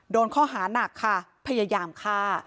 โดนข้อหานักค่ะพยายามฆ่า